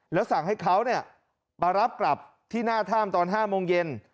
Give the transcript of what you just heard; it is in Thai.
แล้วสั่งให้เขาเนี่ยประรับกลับที่หน้าถ้ามตอนห้าโมงเย็น